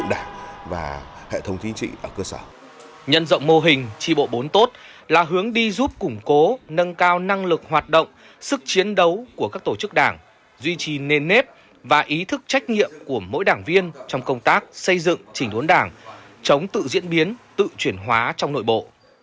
để phấn đấu nâng cao năng lực hoạt động sức chiến đấu của các tổ chức đảng duy trì nền nếp và ý thức trách nhiệm của mỗi đảng viên trong công tác xây dựng chỉnh đốn đảng chống tự diễn biến tự chuyển hóa trong nội bộ